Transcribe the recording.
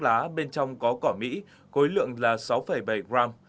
lá bên trong có cỏ mỹ khối lượng là sáu bảy gram